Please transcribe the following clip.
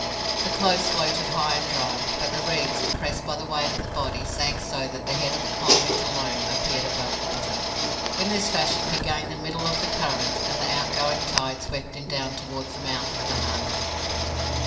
The clothes floated high and dry, but the reeds, depressed by the weight of the body, sank so that the head of the convict alone appeared above water. In this fashion he gained the middle of the current, and the out going tide swept him down towards the mouth of the harbour.